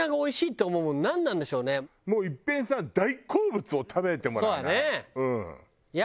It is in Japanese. もういっぺんさ大好物を食べてもらわない？